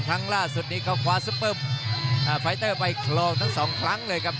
ครั้งล่าสุดนี้เขาคว้าซุปเปอร์ไฟเตอร์ไปคลองทั้งสองครั้งเลยครับ